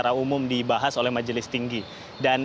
dan ini juga akan dibahas oleh jokowi dodo dan juga prabowo subianto